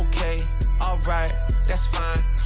จักรยาน